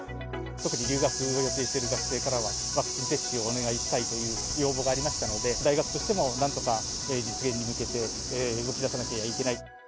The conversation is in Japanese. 特に留学を予定している学生からは、ワクチン接種をお願いしたいという要望がありましたので、大学としても、なんとか実現に向けて動きださなきゃいけない。